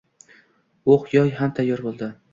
O‘q-yoy ham tayyor bo‘ldi